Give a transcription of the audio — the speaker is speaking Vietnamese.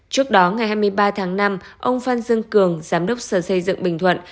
trước đó ngày hai mươi ba tháng năm ông phan dương cường giám đốc sở xây dựng bình thuận